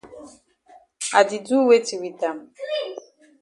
I di do weti wit am?